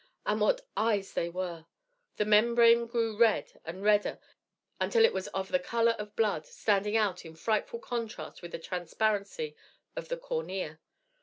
And what eyes they were! The membrane grew red and redder until it was of the color of blood, standing out in frightful contrast with the transparency of the cornea.